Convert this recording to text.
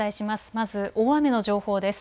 まず大雨の情報です。